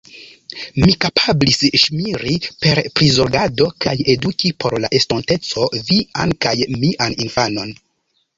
Mi kapablis ŝirmi per prizorgado kaj eduki por la estonteco vian kaj mian infanon!